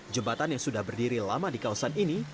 jembatan yang sudah berdiri lama di kawasan ini